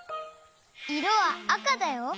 いろはあかだよ。